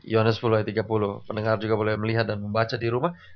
yona sepuluh e tiga puluh pendengar juga boleh melihat dan membaca di rumah